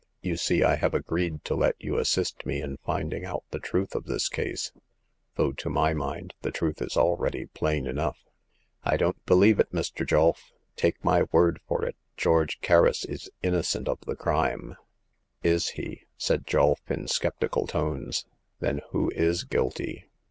You see I have agreed to let you assist me in finding out the truth of this case ; though to my mind the truth is already plain enough." I don't believe it, Mr. Julf. Take my word for it, George Kerris is innocent of the crime.'* Is he ?" said Julf, in sceptical tones ;then who is guilty